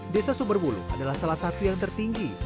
desa sumber buluh adalah salah satu yang tertinggi